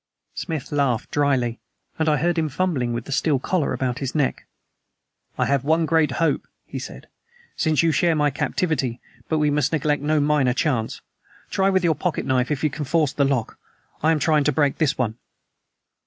Smith laughed dryly, and I heard him fumbling with the steel collar about his neck. "I have one great hope," he said, "since you share my captivity, but we must neglect no minor chance. Try with your pocket knife if you can force the lock. I am trying to break this one."